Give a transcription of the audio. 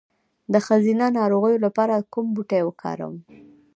د ښځینه ناروغیو لپاره کوم بوټی وکاروم؟